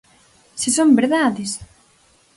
¡Se son verdades!